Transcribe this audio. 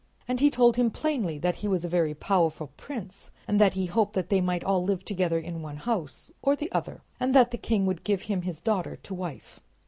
And he told him plainly that he was a very powerful prince, and that he hoped that they might all live together in one house or the other, and that the king would give him his daughter to wife.